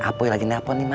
ah poy lagi dapur nih ma